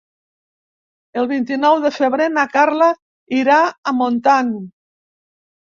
El vint-i-nou de febrer na Carla irà a Montant.